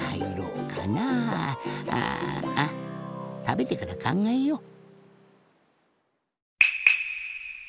たべてからかんがえよう。